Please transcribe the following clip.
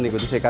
itu tak siapa